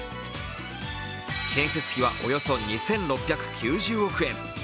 建設費はおよそ２６９０億円。